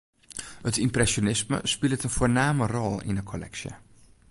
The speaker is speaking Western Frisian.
It ympresjonisme spilet in foarname rol yn 'e kolleksje.